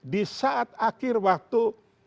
di saat akhir waktu